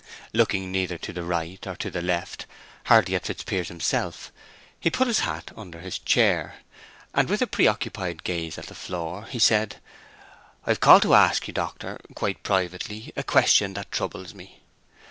Looking neither to the right nor to the left, hardly at Fitzpiers himself, he put his hat under his chair, and with a preoccupied gaze at the floor, he said, "I've called to ask you, doctor, quite privately, a question that troubles me.